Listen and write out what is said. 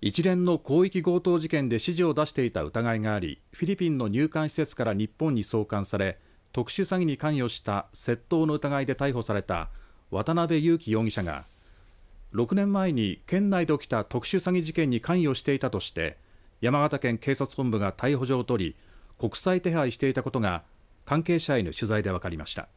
一連の広域強盗事件で指示を出していた疑いがありフィリピンの入管施設から日本に送還され特殊詐欺に関与した窃盗の疑いで逮捕された渡邉優樹容疑者が６年前に県内で起きた特殊詐欺事件に関与していたとして山形県警察本部が逮捕状を取り国際手配していたことが関係者への取材で分かりました。